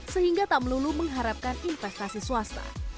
sehingga tak melulu mengharapkan investasi swasta